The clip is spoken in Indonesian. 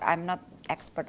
saya bukan seorang expert